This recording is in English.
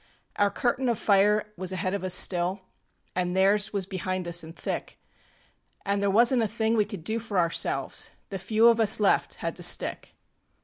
ŌĆ£Our curtain of fire was ahead of us still, AnŌĆÖ theirs was behind us anŌĆÖ thick, AnŌĆÖ there wasnŌĆÖt a thing we could do for ourselves The few of us left had to stick.